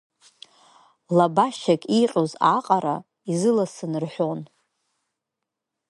Лабашьак иҟьоз аҟара изыласын рҳәон.